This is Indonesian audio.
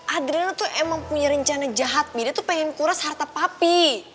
adriana tuh emang punya rencana jahat pi dia tuh pengen kuras harta papi